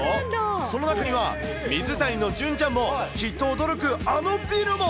その中には、水谷の隼ちゃんも、きっと驚くあのビルも。